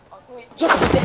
ちょっと聞いて！